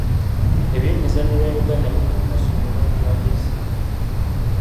Ebyemizannyo bya Uganda biri mu kasuubo olw'ebbula ly'ensimbi.